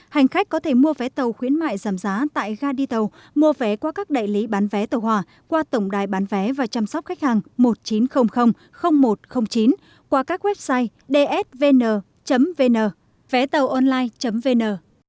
hành khách có thể mua vé tàu khuyến mại giảm giá tại ga đi tàu mua vé qua các đại lý bán vé tàu hòa qua tổng đài bán vé và chăm sóc khách hàng một nghìn chín trăm linh một trăm linh chín qua các website dsvn vn vé tàu online vn